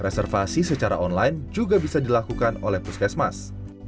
reservasi secara online juga bisa dilakukan oleh puskesmas